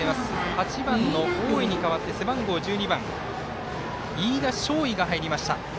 ８番の大井に代わって背番号１２番飯田将生が入りました。